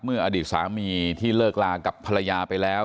อดีตสามีที่เลิกลากับภรรยาไปแล้ว